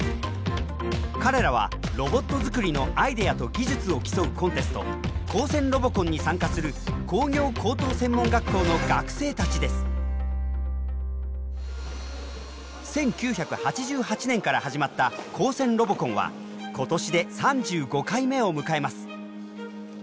彼らはロボット作りのアイデアと技術を競うコンテスト「高専ロボコン」に参加する１９８８年から始まった「高専ロボコン」は今年で３５回目を迎えます。